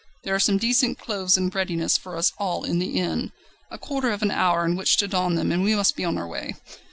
There are some decent clothes in readiness for us all in the inn. A quarter of an hour in which to don them and we must on our way.